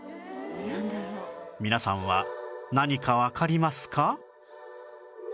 皆さんは何かわかりますか？